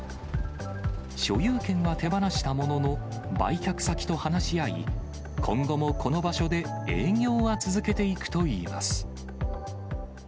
所有権は手放したものの、売却先と話し合い、今後もこの場所で営業は続けていくといいます。